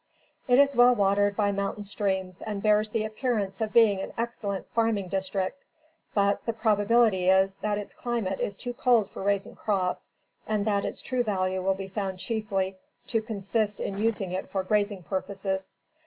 It is well watered by mountain streams and bears the appearance of being an excellent farming district; but, the probability is, that its climate is too cold for raising crops, and that its true value will be found chiefly to consist in using it for grazing purposes.